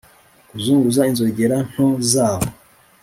kuzunguza inzogera nto zabo